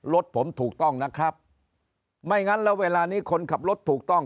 รถผมถูกต้องนะครับไม่งั้นแล้วเวลานี้คนขับรถถูกต้อง